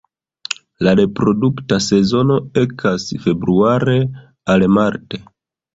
La reprodukta sezono ekas februare al marte.